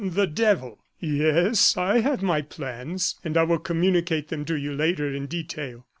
"The devil!" "Yes, I have my plans, and I will communicate them to you later in detail.